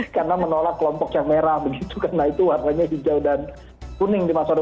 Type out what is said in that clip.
karena menolak kelompok yang merah begitu karena itu warnanya hijau dan kuning di masa depan